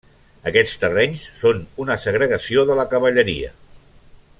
Aquests terrenys són una segregació de la Cavalleria.